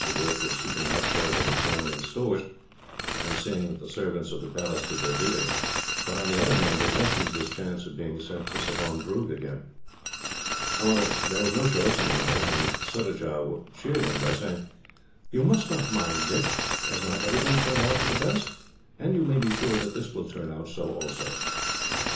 The work would suit him much better than examining stores, and seeing that the servants of the Palace did their duty; but, on the other hand, it lessened his chance of being sent to Savandroog again. However, there was no choice in the matter, and Surajah cheered him by saying: "You must not mind, Dick. Has not everything turned out for the best? And you may be sure that this will turn out so, also."